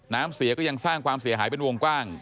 น้ำเสียก็ยังสร้างความเสียหายเป็นวงกว้าง